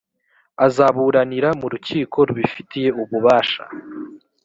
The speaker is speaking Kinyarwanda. azaburanira mu rukiko rubifitiye ububasha